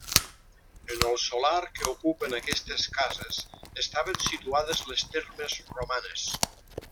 En el solar que ocupen aquestes cases estaven situades les termes romanes.